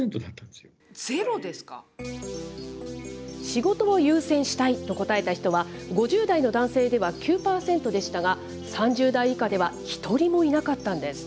仕事を優先したいと答えた人は、５０代の男性では９％でしたが、３０代以下では１人もいなかったんです。